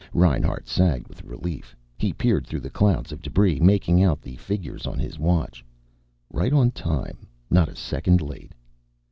Reinhart sagged with relief. He peered through the clouds of debris, making out the figures on his watch. Right on time. Not a second late.